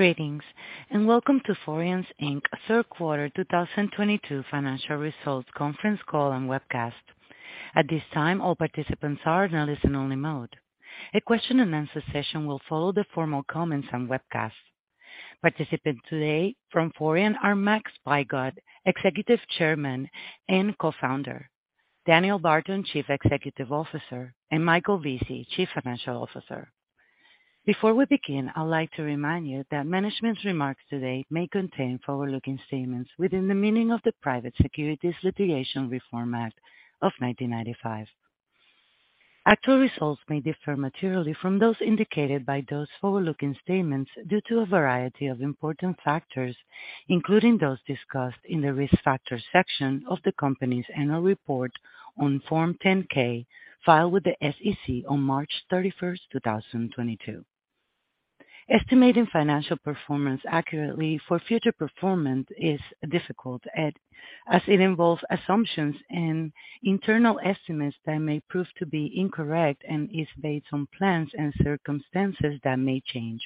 Greetings, welcome to Forian Inc.'s Third Quarter 2022 financial results conference call and webcast. At this time, all participants are in a listen only mode. A question-and-answer session will follow the formal comments and webcast. Participants today from Forian are Max Wygod, Executive Chairman and Co-founder, Dan Barton, Chief Executive Officer, and Michael Vesey, Chief Financial Officer. Before we begin, I'd like to remind you that management's remarks today may contain forward-looking statements within the meaning of the Private Securities Litigation Reform Act of 1995. Actual results may differ materially from those indicated by those forward-looking statements due to a variety of important factors, including those discussed in the Risk Factors section of the company's Annual Report on Form 10-K, filed with the SEC on March 31, 2022. Estimating financial performance accurately for future performance is difficult as it involves assumptions and internal estimates that may prove to be incorrect and is based on plans and circumstances that may change.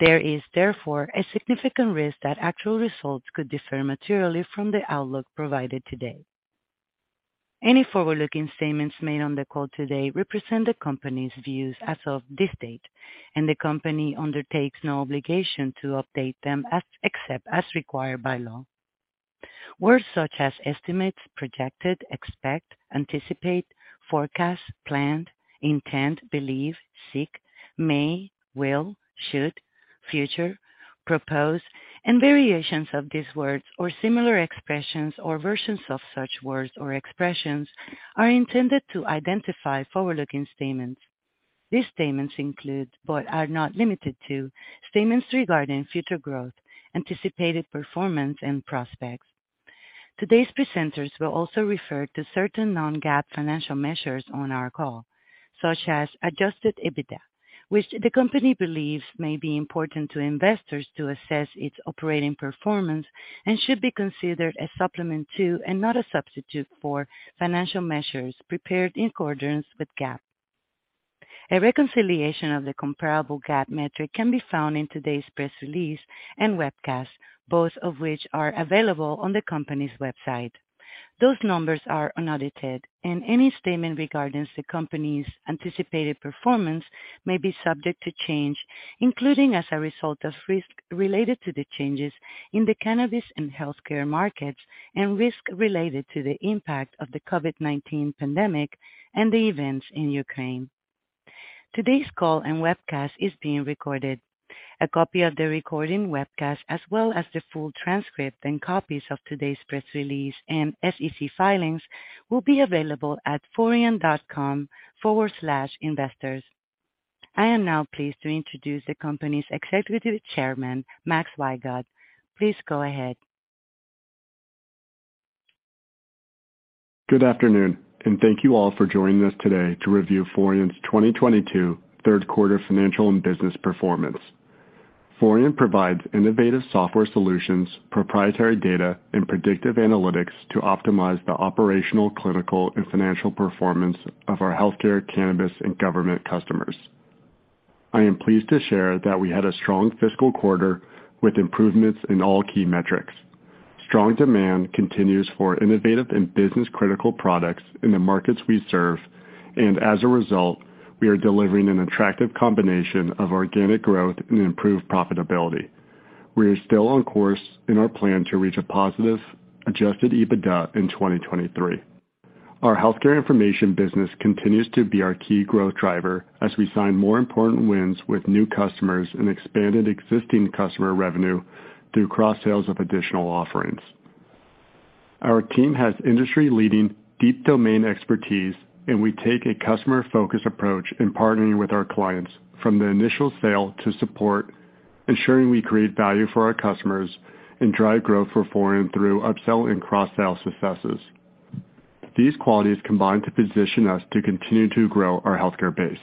There is, therefore, a significant risk that actual results could differ materially from the outlook provided today. Any forward-looking statements made on the call today represent the company's views as of this date, and the company undertakes no obligation to update them except as required by law. Words such as estimates, projected, expect, anticipate, forecast, planned, intend, believe, seek, may, will, should, future, propose, and variations of these words or similar expressions or versions of such words or expressions are intended to identify forward-looking statements. These statements include, but are not limited to, statements regarding future growth, anticipated performance, and prospects. Today's presenters will also refer to certain non-GAAP financial measures on our call, such as adjusted EBITDA, which the company believes may be important to investors to assess its operating performance and should be considered as supplement to, and not a substitute for, financial measures prepared in accordance with GAAP. A reconciliation of the comparable GAAP metric can be found in today's press release and webcast, both of which are available on the company's website. Those numbers are unaudited, and any statement regarding the company's anticipated performance may be subject to change, including as a result of risks related to the changes in the cannabis and healthcare markets and risks related to the impact of the COVID-19 pandemic and the events in Ukraine. Today's call and webcast is being recorded. A copy of the recording webcast, as well as the full transcript and copies of today's press release and SEC filings, will be available at forian.com/investors. I am now pleased to introduce the company's Executive Chairman, Max Wygod. Please go ahead. Good afternoon, and thank you all for joining us today to review Forian's 2022 third quarter financial and business performance. Forian provides innovative software solutions, proprietary data, and predictive analytics to optimize the operational, clinical, and financial performance of our healthcare, cannabis, and government customers. I am pleased to share that we had a strong fiscal quarter with improvements in all key metrics. Strong demand continues for innovative and business-critical products in the markets we serve, and as a result, we are delivering an attractive combination of organic growth and improved profitability. We are still on course in our plan to reach a positive adjusted EBITDA in 2023. Our healthcare information business continues to be our key growth driver as we sign more important wins with new customers and expanded existing customer revenue through cross-sales of additional offerings. Our team has industry-leading deep domain expertise, and we take a customer-focused approach in partnering with our clients from the initial sale to support, ensuring we create value for our customers and drive growth for Forian through upsell and cross-sale successes. These qualities combine to position us to continue to grow our healthcare base.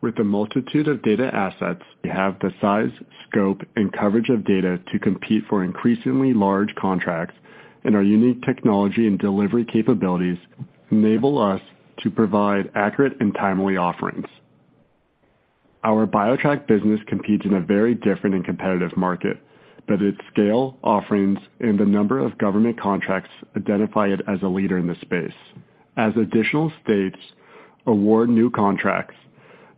With the multitude of data assets, we have the size, scope, and coverage of data to compete for increasingly large contracts, and our unique technology and delivery capabilities enable us to provide accurate and timely offerings. Our BioTrack business competes in a very different and competitive market, but its scale, offerings, and the number of government contracts identify it as a leader in this space. As additional states award new contracts,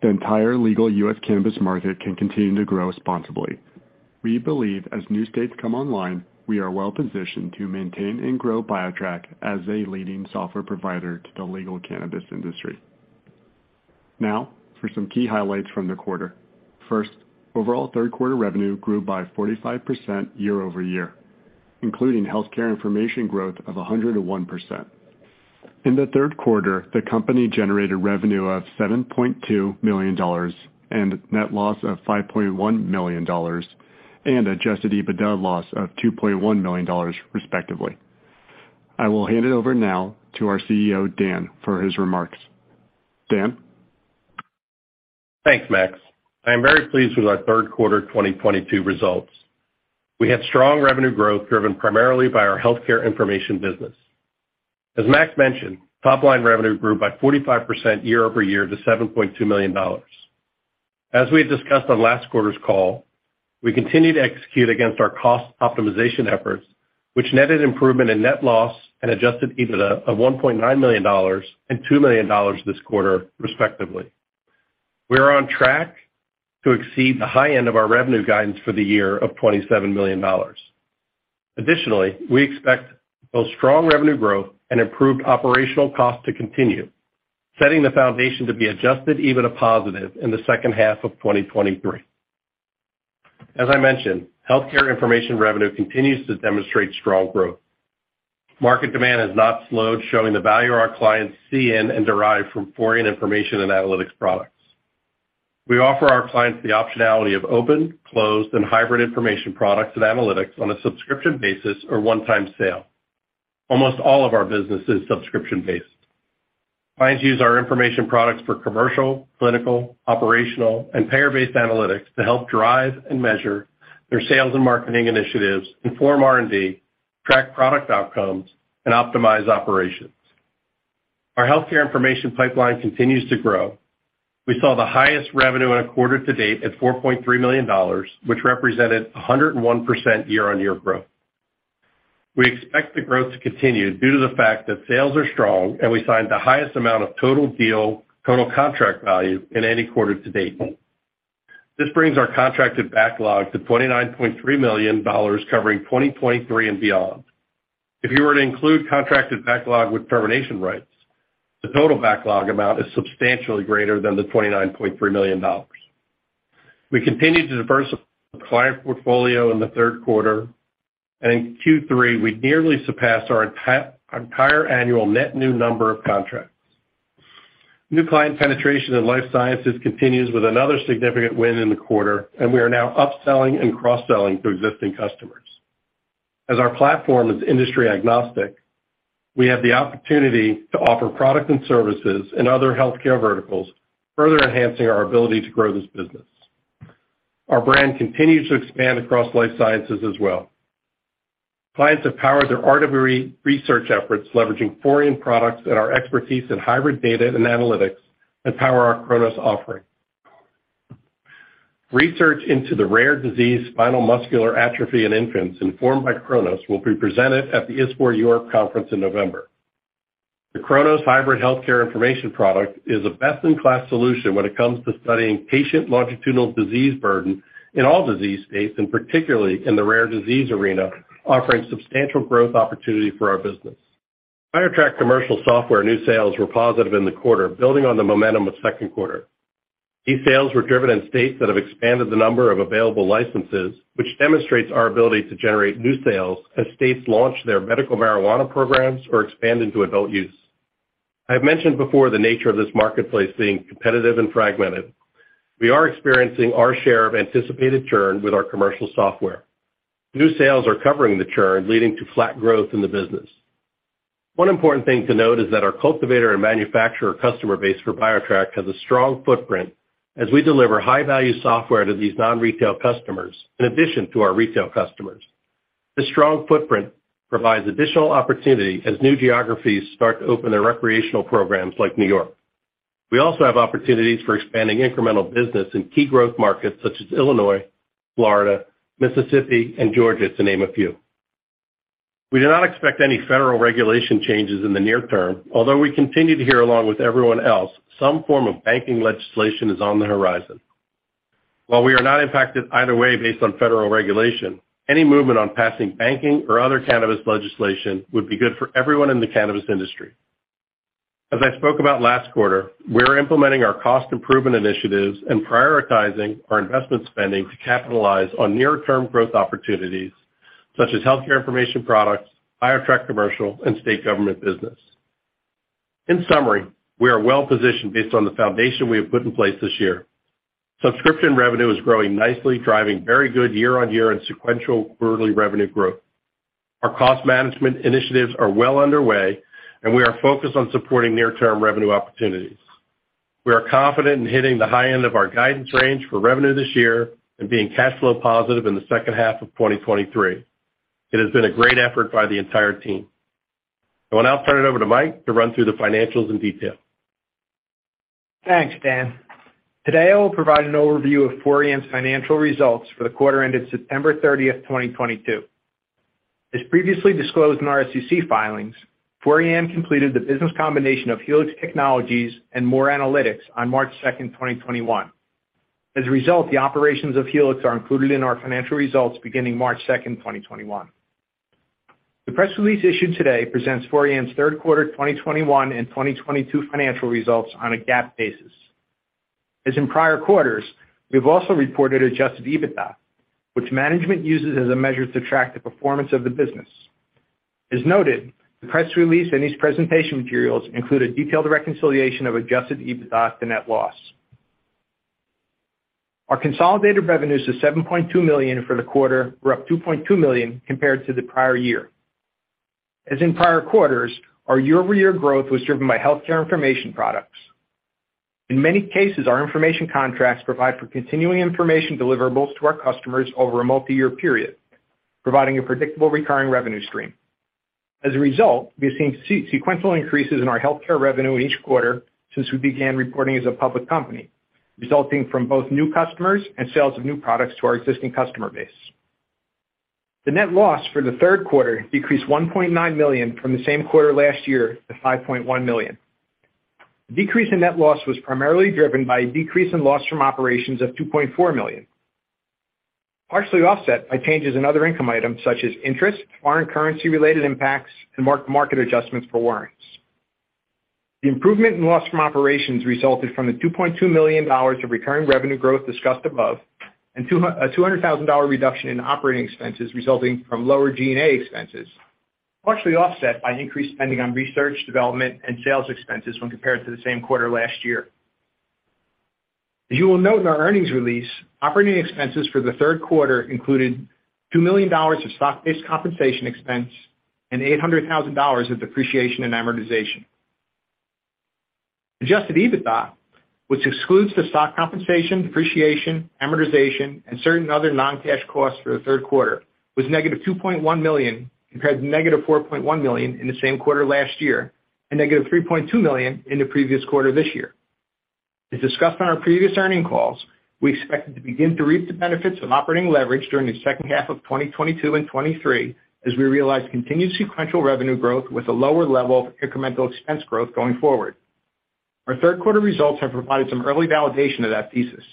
the entire legal U.S. cannabis market can continue to grow responsibly. We believe as new states come online, we are well-positioned to maintain and grow BioTrack as a leading software provider to the legal cannabis industry. Now for some key highlights from the quarter. First, overall third quarter revenue grew by 45% year-over-year, including healthcare information growth of 101%. In the third quarter, the company generated revenue of $7.2 million and net loss of $5.1 million and adjusted EBITDA loss of $2.1 million, respectively. I will hand it over now to our CEO, Dan, for his remarks. Dan? Thanks, Max. I am very pleased with our third quarter 2022 results. We had strong revenue growth driven primarily by our healthcare information business. As Max mentioned, top line revenue grew by 45% year-over-year to $7.2 million. As we had discussed on last quarter's call, we continue to execute against our cost optimization efforts, which netted improvement in net loss and adjusted EBITDA of $1.9 million and $2 million this quarter, respectively. We are on track to exceed the high end of our revenue guidance for the year of $27 million. Additionally, we expect both strong revenue growth and improved operational costs to continue, setting the foundation to be adjusted EBITDA positive in the second half of 2023. As I mentioned, healthcare information revenue continues to demonstrate strong growth. Market demand has not slowed, showing the value our clients see in and derive from Forian information and analytics products. We offer our clients the optionality of open, closed, and hybrid information products and analytics on a subscription basis or one-time sale. Almost all of our business is subscription-based. Clients use our information products for commercial, clinical, operational, and payer-based analytics to help drive and measure their sales and marketing initiatives, inform R&D, track product outcomes, and optimize operations. Our healthcare information pipeline continues to grow. We saw the highest revenue in a quarter to date at $4.3 million, which represented 101% year-on-year growth. We expect the growth to continue due to the fact that sales are strong, and we signed the highest amount of total contract value in any quarter to date. This brings our contracted backlog to $29.3 million covering 2023 and beyond. If you were to include contracted backlog with termination rights, the total backlog amount is substantially greater than the $29.3 million. We continued to diversify the client portfolio in the third quarter, and in Q3, we nearly surpassed our entire annual net new number of contracts. New client penetration in life sciences continues with another significant win in the quarter, and we are now upselling and cross-selling to existing customers. As our platform is industry agnostic, we have the opportunity to offer products and services in other healthcare verticals, further enhancing our ability to grow this business. Our brand continues to expand across life sciences as well. Clients have powered their R&D research efforts, leveraging Forian products and our expertise in hybrid data and analytics that power our Cannalytics offering. Research into the rare disease spinal muscular atrophy in infants informed by Cannalytics will be presented at the ISPOR Europe conference in November. The Cannalytics hybrid healthcare information product is a best-in-class solution when it comes to studying patient longitudinal disease burden in all disease states, and particularly in the rare disease arena, offering substantial growth opportunity for our business. BioTrack Commercial software new sales were positive in the quarter, building on the momentum of second quarter. These sales were driven in states that have expanded the number of available licenses, which demonstrates our ability to generate new sales as states launch their medical marijuana programs or expand into adult use. I have mentioned before the nature of this marketplace being competitive and fragmented. We are experiencing our share of anticipated churn with our commercial software. New sales are covering the churn, leading to flat growth in the business. One important thing to note is that our cultivator and manufacturer customer base for BioTrack has a strong footprint as we deliver high-value software to these non-retail customers in addition to our retail customers. This strong footprint provides additional opportunity as new geographies start to open their recreational programs like New York. We also have opportunities for expanding incremental business in key growth markets such as Illinois, Florida, Mississippi, and Georgia, to name a few. We do not expect any federal regulation changes in the near term, although we continue to hear along with everyone else, some form of banking legislation is on the horizon. While we are not impacted either way based on federal regulation, any movement on passing banking or other cannabis legislation would be good for everyone in the cannabis industry. As I spoke about last quarter, we're implementing our cost improvement initiatives and prioritizing our investment spending to capitalize on near-term growth opportunities such as healthcare information products, BioTrack Commercial, and state government business. In summary, we are well positioned based on the foundation we have put in place this year. Subscription revenue is growing nicely, driving very good year-on-year and sequential quarterly revenue growth. Our cost management initiatives are well underway, and we are focused on supporting near-term revenue opportunities. We are confident in hitting the high end of our guidance range for revenue this year and being cash flow positive in the second half of 2023. It has been a great effort by the entire team. I will now turn it over to Mike to run through the financials in detail. Thanks, Dan. Today, I will provide an overview of Forian's financial results for the quarter ended September 30, 2022. As previously disclosed in our SEC filings, Forian completed the business combination of Helix Technologies and Medical Outcomes Research Analytics on March 2, 2021. As a result, the operations of Helix are included in our financial results beginning March 2, 2021. The press release issued today presents Forian's third quarter 2021 and 2022 financial results on a GAAP basis. As in prior quarters, we've also reported adjusted EBITDA, which management uses as a measure to track the performance of the business. As noted, the press release and these presentation materials include a detailed reconciliation of adjusted EBITDA to net loss. Our consolidated revenues were $7.2 million for the quarter, up $2.2 million compared to the prior year. As in prior quarters, our year-over-year growth was driven by healthcare information products. In many cases, our information contracts provide for continuing information deliverables to our customers over a multi-year period, providing a predictable recurring revenue stream. As a result, we have seen sequential increases in our healthcare revenue each quarter since we began reporting as a public company, resulting from both new customers and sales of new products to our existing customer base. The net loss for the third quarter decreased $1.9 million from the same quarter last year to $5.1 million. Decrease in net loss was primarily driven by a decrease in loss from operations of $2.4 million, partially offset by changes in other income items such as interest, foreign currency-related impacts, and mark-to-market adjustments for warrants. The improvement in loss from operations resulted from the $2.2 million of recurring revenue growth discussed above and $200,000 reduction in operating expenses resulting from lower G&A expenses, partially offset by increased spending on research, development, and sales expenses when compared to the same quarter last year. As you will note in our earnings release, operating expenses for the third quarter included $2 million of stock-based compensation expense and $800,000 of depreciation and amortization. Adjusted EBITDA, which excludes the stock compensation, depreciation, amortization, and certain other non-cash costs for the third quarter, was -$2.1 million compared to -$4.1 million in the same quarter last year and -$3.2 million in the previous quarter this year. As discussed on our previous earnings calls, we expected to begin to reap the benefits of operating leverage during the second half of 2022 and 2023 as we realized continued sequential revenue growth with a lower level of incremental expense growth going forward. Our third quarter results have provided some early validation to that thesis.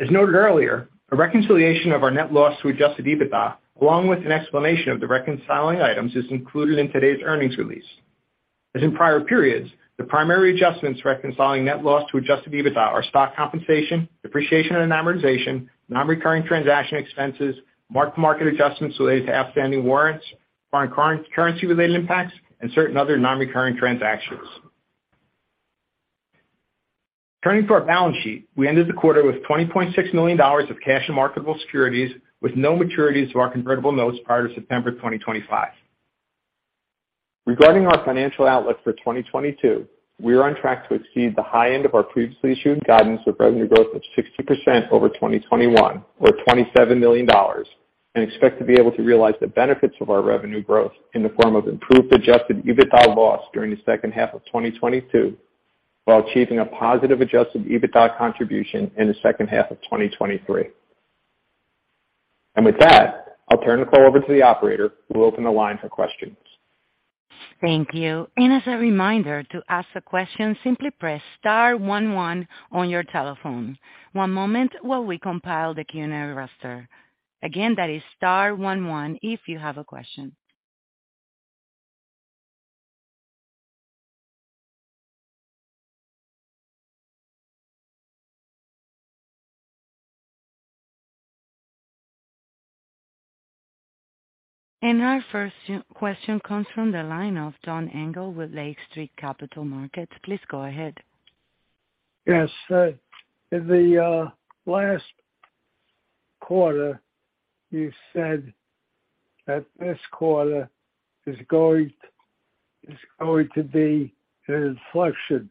As noted earlier, a reconciliation of our net loss to adjusted EBITDA, along with an explanation of the reconciling items, is included in today's earnings release. As in prior periods, the primary adjustments reconciling net loss to adjusted EBITDA are stock compensation, depreciation and amortization, non-recurring transaction expenses, mark-to-market adjustments related to outstanding warrants, foreign currency-related impacts, and certain other non-recurring transactions. Turning to our balance sheet, we ended the quarter with $20.6 million of cash and marketable securities, with no maturities to our convertible notes prior to September 2025. Regarding our financial outlook for 2022, we are on track to exceed the high end of our previously issued guidance of revenue growth of 60% over 2021 or $27 million and expect to be able to realize the benefits of our revenue growth in the form of improved adjusted EBITDA loss during the second half of 2022, while achieving a positive adjusted EBITDA contribution in the second half of 2023. With that, I'll turn the call over to the operator, who will open the line for questions. Thank you. As a reminder to ask a question, simply press star one one on your telephone. One moment while we compile the Q&A roster. Again, that is star one one if you have a question. Our first question comes from the line of John Engel with Lake Street Capital Markets. Please go ahead. Yes. In the last quarter, you said that this quarter is going to be an inflection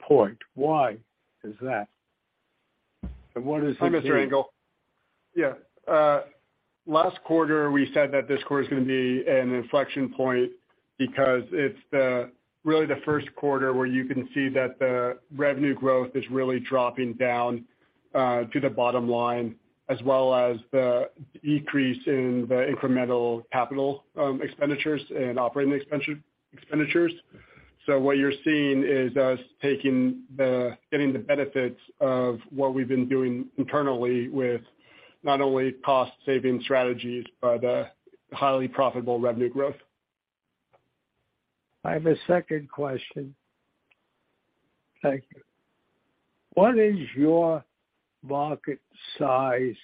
point. Why is that? What is it? Hi, Mr. Engel. Yeah. Last quarter, we said that this quarter is gonna be an inflection point because it's really the first quarter where you can see that the revenue growth is really dropping down to the bottom line, as well as the decrease in the incremental capital expenditures and operating expenditures. What you're seeing is us getting the benefits of what we've been doing internally with not only cost saving strategies, but highly profitable revenue growth. I have a second question. Thank you. What is your market size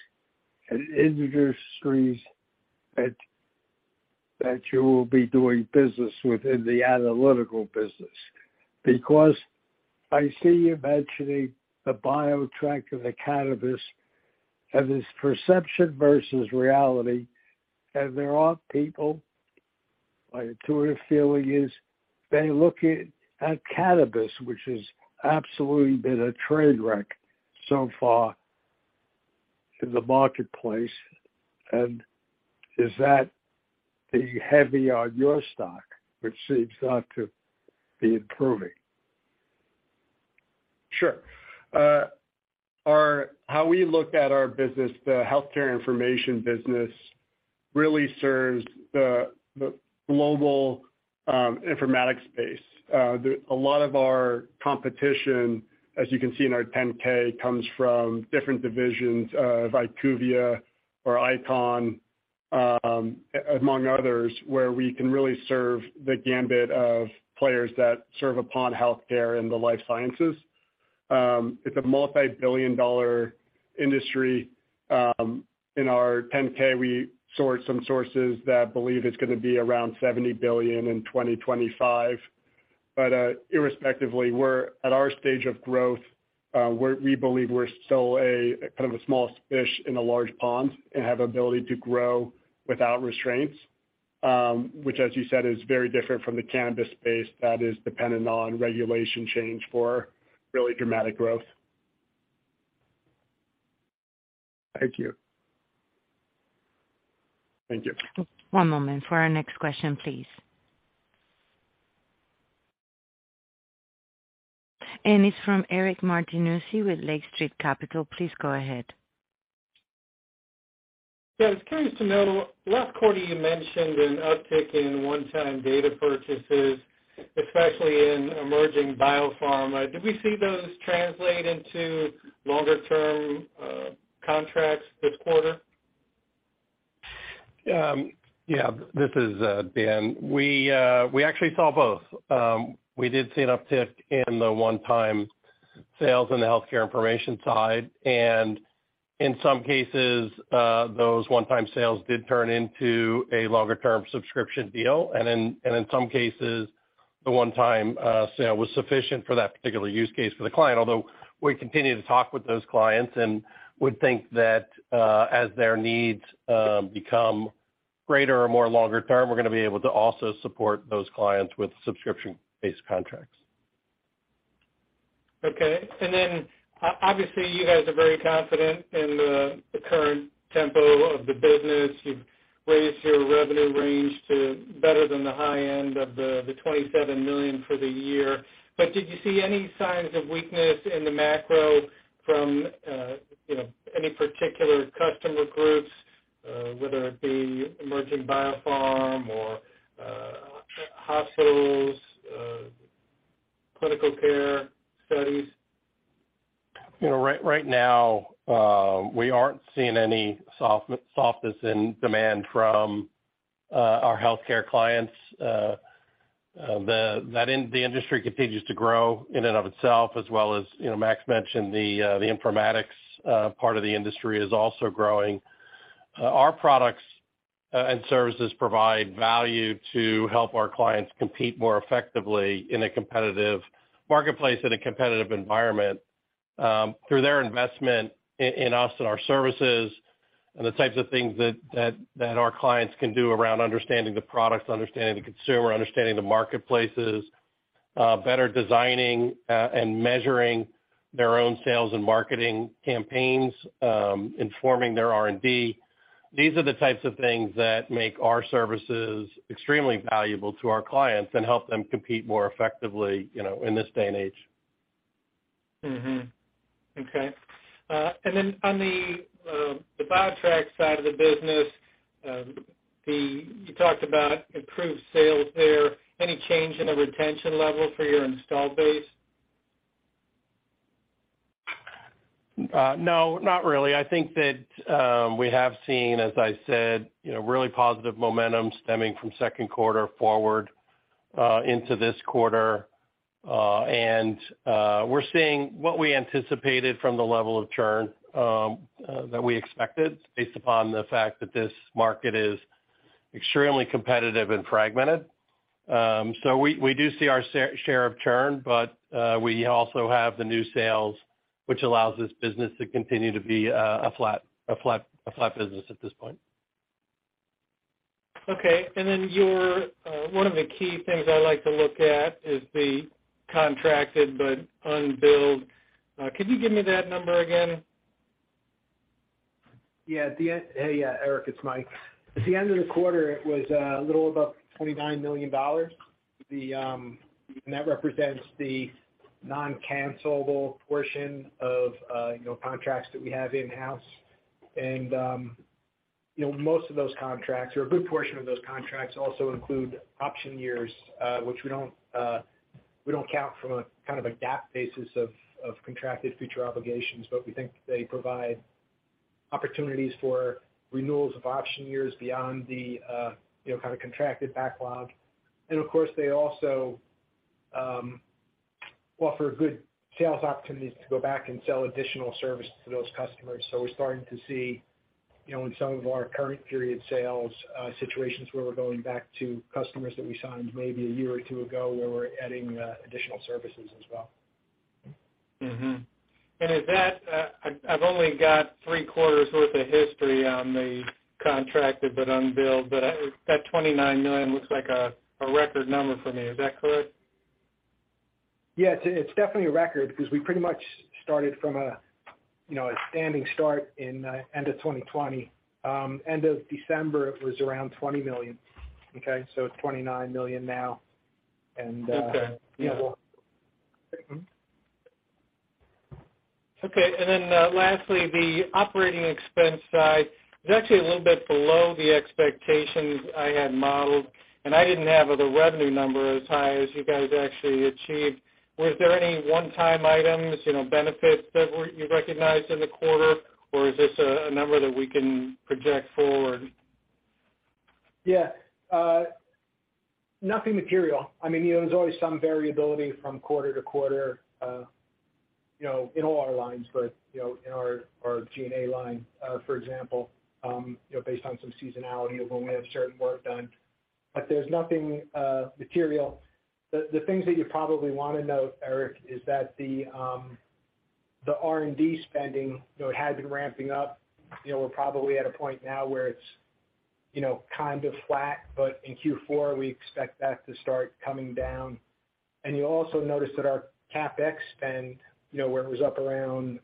and industries that you will be doing business within the analytical business? Because I see you mentioning the BioTrack of the cannabis as this perception versus reality. There are people, my intuitive feeling is they look at cannabis, which has absolutely been a train wreck so far in the marketplace. Is that being heavy on your stock, which seems not to be improving? Sure. How we look at our business, the healthcare information business really serves the global informatics space. A lot of our competition, as you can see in our 10-K, comes from different divisions of IQVIA or ICON, among others, where we can really serve the gamut of players that serve upon healthcare and the life sciences. It's a multi-billion dollar industry. In our 10-K, we source some sources that believe it's gonna be around $70 billion in 2025. Irrespective, we're at our stage of growth. We believe we're still a kind of a small fish in a large pond and have ability to grow without restraints, which as you said, is very different from the cannabis space that is dependent on regulation change for really dramatic growth. Thank you. Thank you. One moment for our next question, please. It's from Eric Martinuzzi with Lake Street Capital Markets. Please go ahead. Yeah, I was curious to know, last quarter, you mentioned an uptick in one-time data purchases, especially in emerging biopharma. Did we see those translate into longer-term contracts this quarter? Yeah. This is Dan. We actually saw both. We did see an uptick in the one-time sales on the healthcare information side. In some cases, those one-time sales did turn into a longer-term subscription deal. In some cases, the one-time sale was sufficient for that particular use case for the client. Although we continue to talk with those clients and would think that, as their needs become greater or more longer term, we're gonna be able to also support those clients with subscription-based contracts. Okay. Obviously, you guys are very confident in the current tempo of the business. You've raised your revenue range to better than the high end of the $27 million for the year. Did you see any signs of weakness in the macro from, you know, any particular customer groups, whether it be emerging biopharm or hospitals, clinical care studies? You know, right now, we aren't seeing any softness in demand from our healthcare clients. The industry continues to grow in and of itself, as well as, you know, Max mentioned the informatics part of the industry is also growing. Our products and services provide value to help our clients compete more effectively in a competitive marketplace, in a competitive environment, through their investment in us and our services and the types of things that our clients can do around understanding the products, understanding the consumer, understanding the marketplaces, better designing and measuring their own sales and marketing campaigns, informing their R&D. These are the types of things that make our services extremely valuable to our clients and help them compete more effectively, you know, in this day and age. Mm-hmm. Okay. On the BioTrack side of the business, you talked about improved sales there. Any change in the retention level for your installed base? No, not really. I think that we have seen, as I said, you know, really positive momentum stemming from second quarter forward into this quarter. We're seeing what we anticipated from the level of churn that we expected based upon the fact that this market is extremely competitive and fragmented. We do see our share of churn, but we also have the new sales, which allows this business to continue to be a flat business at this point. Okay. Then your one of the key things I like to look at is the contracted but unbilled. Could you give me that number again? Yeah. Hey, yeah, Eric, it's Mike. At the end of the quarter, it was a little above $29 million. That represents the non-cancellable portion of, you know, contracts that we have in-house. You know, most of those contracts or a good portion of those contracts also include option years, which we don't count from a kind of a GAAP basis of contracted future obligations, but we think they provide opportunities for renewals of option years beyond the, you know, kind of contracted backlog. Of course, they also offer good sales opportunities to go back and sell additional services to those customers. We're starting to see, you know, in some of our current period sales situations where we're going back to customers that we signed maybe a year or two ago, where we're adding additional services as well. Mm-hmm. With that, I've only got three quarters worth of history on the contracted but unbilled, but that $29 million looks like a record number for me. Is that correct? Yeah. It's definitely a record because we pretty much started from a, you know, a standing start in end of 2020. End of December, it was around $20 million. Okay? It's $29 million now. Okay. Yeah. Okay. Lastly, the operating expense side was actually a little bit below the expectations I had modeled, and I didn't have the revenue number as high as you guys actually achieved. Was there any one-time items, you know, benefits that you recognized in the quarter? Or is this a number that we can project forward? Yeah. Nothing material. I mean, you know, there's always some variability from quarter to quarter, you know, in all our lines, but, you know, in our G&A line, for example, you know, based on some seasonality of when we have certain work done. There's nothing material. The things that you probably wanna note, Eric, is that the R&D spending, you know, it had been ramping up. You know, we're probably at a point now where it's, you know, kind of flat, but in Q4, we expect that to start coming down. You also notice that our CapEx spend, you know, where it was up around,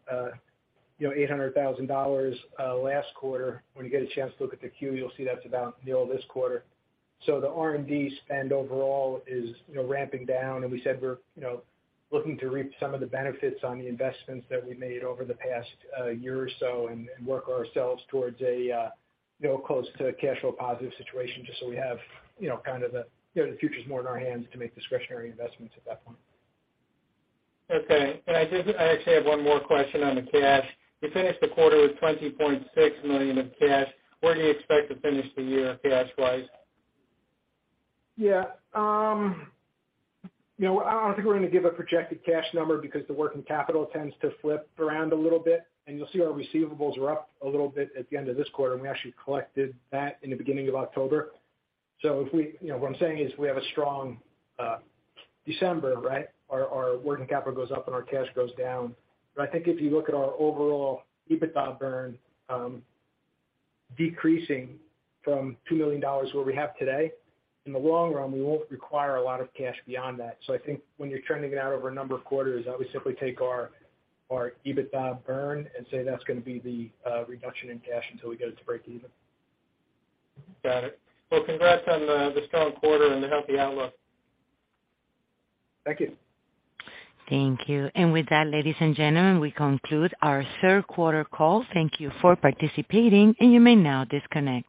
you know, $800,000 last quarter, when you get a chance to look at the Q, you'll see that's about nil this quarter. The R&D spend overall is, you know, ramping down, and we said we're, you know, looking to reap some of the benefits on the investments that we made over the past year or so and work ourselves towards a, you know, close to a cash flow positive situation, just so we have, you know, kind of the, you know, the future's more in our hands to make discretionary investments at that point. Okay. I actually have one more question on the cash. You finished the quarter with $20.6 million in cash. Where do you expect to finish the year cash-wise? Yeah. You know, I don't think we're gonna give a projected cash number because the working capital tends to flip around a little bit, and you'll see our receivables were up a little bit at the end of this quarter, and we actually collected that in the beginning of October. You know what I'm saying is, we have a strong December, right? Our working capital goes up and our cash goes down. I think if you look at our overall EBITDA burn decreasing from $2 million, where we have today, in the long run, we won't require a lot of cash beyond that. I think when you're trending it out over a number of quarters, I would simply take our EBITDA burn and say that's gonna be the reduction in cash until we get it to break even. Got it. Well, congrats on the strong quarter and the healthy outlook. Thank you. Thank you. With that, ladies and gentlemen, we conclude our third quarter call. Thank you for participating, and you may now disconnect.